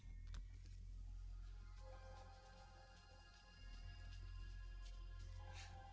ya deh juga kan gitu dong